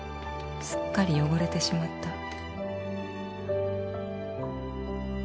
「すっかり汚れてしまった」